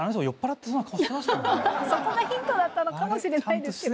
そこがヒントだったのかもしれないですけど。